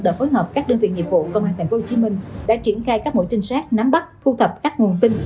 đơn viện nhiệm vụ công an tp hcm đã triển khai các mẫu trinh sát nắm bắt thu thập các nguồn tin